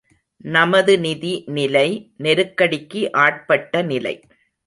நமது நிதிநிலை நெருக்கடிக்கு ஆட்பட்ட நிலை.